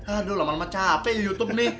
aduh lama lama capek di youtube nih